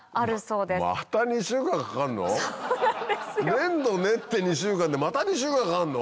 粘土を練って２週間でまた２週間かかんの？